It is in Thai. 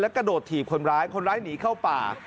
กระโดดถีบคนร้ายคนร้ายหนีเข้าป่า